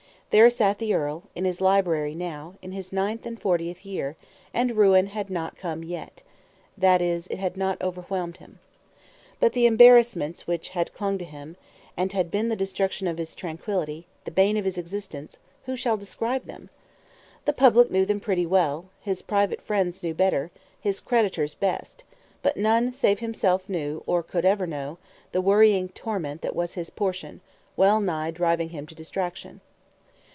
There sat the earl, in his library now, in his nine and fortieth year, and ruin had not come yet that is, it had not overwhelmed him. But the embarrassments which had clung to him, and been the destruction of his tranquility, the bane of his existence, who shall describe them? The public knew them pretty well, his private friends knew better, his creditors best; but none, save himself knew, or could ever know, the worrying torment that was his portion, wellnigh driving him to distraction.